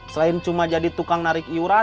selain cuma jadi tukang narik iuran